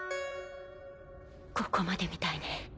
ここまでみたいね。